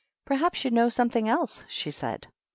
" Perhaps you know something else," she said.